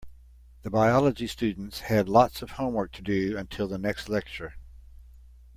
The biology students had lots of homework to do until the next lecture.